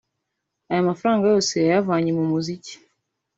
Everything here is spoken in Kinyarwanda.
Aya mafaranga yose yayavanye mu muziki